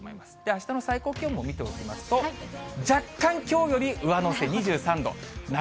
あしたの最高気温も見ておきますと、若干きょうより上乗せ２３度。